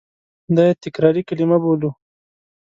دا یې تکراري کلیمه بولو.